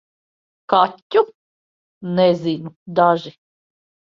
Kaķu? Nezinu - daži.